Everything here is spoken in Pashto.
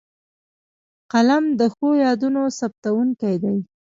قلم د ښو یادونو ثبتوونکی دی